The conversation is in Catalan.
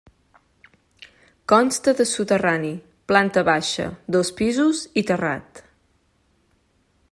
Consta de soterrani, planta baixa, dos pisos i terrat.